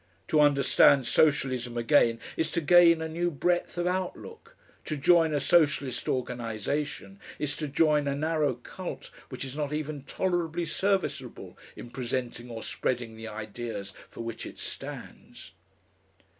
To understand Socialism, again, is to gain a new breadth of outlook; to join a Socialist organisation is to join a narrow cult which is not even tolerably serviceable in presenting or spreading the ideas for which it stands....